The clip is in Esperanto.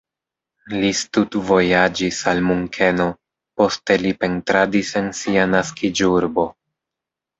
Li studvojaĝis al Munkeno, poste li pentradis en sia naskiĝurbo.